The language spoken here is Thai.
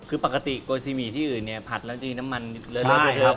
คือปกติโกยซีหมี่ที่อื่นเนี่ยผัดแล้วดีน้ำมันเละได้ครับ